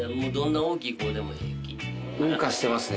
謳歌してますね。